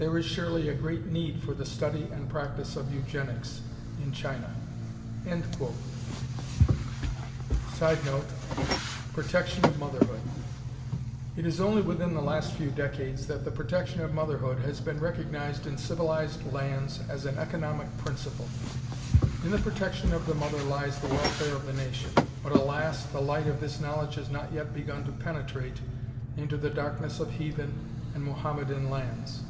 There is surely a great need for the study and practice of eugenics in China." [Sidenote: Protection of motherhood.] It is only within the last few decades that the protection of motherhood has been recognized in civilized lands as an economic principle. In the protection of the mother lies the welfare of the nation. But alas! the light of this knowledge has not yet begun to penetrate into the darkness of heathen and Mohammedan lands.